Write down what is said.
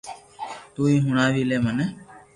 تو ھي ھڻاوي لي مني